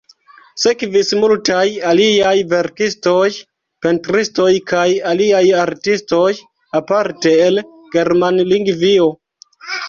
Sekvis multaj aliaj verkistoj, pentristoj kaj aliaj artistoj, aparte el Germanlingvio.